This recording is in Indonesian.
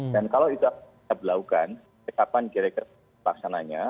dan kalau itu kita berlakukan kapan kira kira pelaksananya